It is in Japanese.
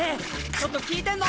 ちょっと聞いてんの！？